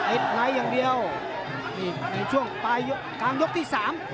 เอ็ดไลท์อย่างเดียวในช่วงปลายกลางยกที่๓